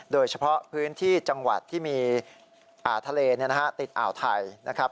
โดยเฉพาะพื้นที่จังหวัดที่มีทะเลติดอ่าวไทยนะครับ